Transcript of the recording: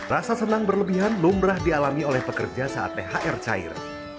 rasa senang berlebihan lumrah dialami oleh pekerja saat thr cair